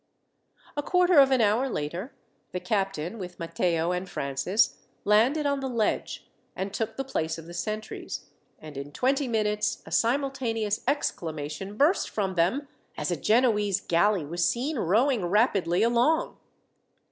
A quarter of an hour later the captain, with Matteo and Francis, landed on the ledge, and took the place of the sentries, and in twenty minutes a simultaneous exclamation burst from them, as a Genoese galley was seen rowing rapidly along.